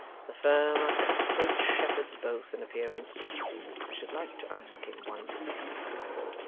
The firm are cut throat Shepherds both, in appearance. I should like to ask him one thing.